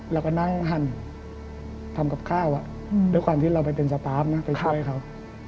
เราก็นั่งหั่นทำกับข้าวด้วยความที่เราไปเป็นสปาร์ฟนะไปช่วยเขา